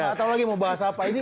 udah gak tau lagi mau bahas apa